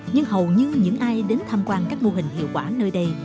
nhưng hầu như những ai đến tham quan các mô hình hiệu quả nơi đây